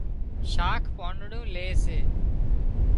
شاک پانڙون لي سي